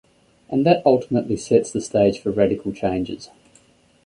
And that ultimately sets the stage for radical changes.